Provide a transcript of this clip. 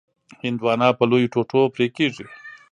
هندوانه په لویو ټوټو پرې کېږي.